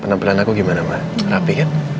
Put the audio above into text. penampilan aku gimana mah rapi kan